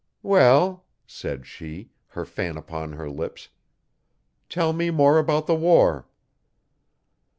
'Well,' said she, her fan upon her lips, 'tell me more about the war.